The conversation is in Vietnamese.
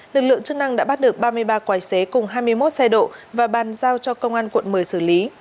lực lượng chức năng đã bắt được ba mươi ba quái xế cùng hai mươi một xe độ và bàn giao cho công an quận một mươi xử lý